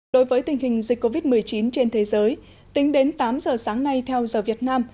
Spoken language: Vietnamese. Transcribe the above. đối với tình hình dịch covid một mươi chín trên thế giới tính đến tám giờ sáng nay theo giờ việt nam